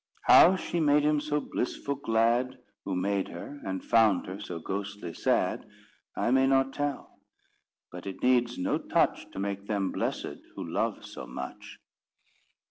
How she made him so blissful glad Who made her and found her so ghostly sad, I may not tell; but it needs no touch To make them blessed who love so much.